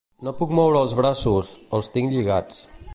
No puc moure els braços: els tinc lligats.